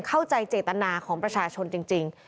เข้าใจเจตนาของประชาชนจริง